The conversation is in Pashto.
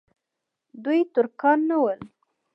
دوی ترکان نه ول.